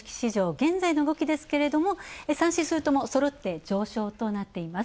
現在の動きですけれども３指数ともそろって上昇となってます。